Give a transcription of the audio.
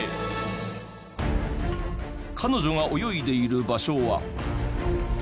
彼女が泳いでいる場所は。